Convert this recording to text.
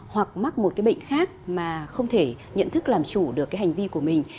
hoặc mắc một cái bệnh khác mà không thể nhận thức làm chủ được cái hành vi của mình